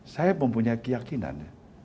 saya mempunyai keyakinan